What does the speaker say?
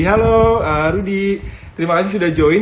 halo rudy terima kasih sudah join